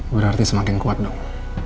berarti semakin kuat dong